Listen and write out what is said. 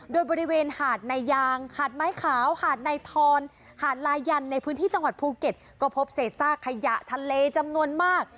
โดยบริเวณหาดในยางหาดไม้ขาวหาดในทอนหาดลายันในพื้นที่จังหวัดภูเก็ตก็พบเศษซากขยะทะเลจำนวนมาก